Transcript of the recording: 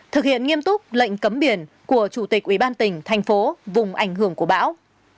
thực hiện nghiêm túc lệnh cấm biển của chủ tịch ủy ban tỉnh thành phố vùng ảnh hưởng của bão